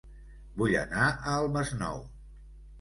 Vull anar a El Masnou